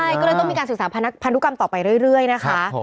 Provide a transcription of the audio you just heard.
ใช่ก็เลยต้องมีการศึกษาพันธุกรรมต่อไปเรื่อยนะคะ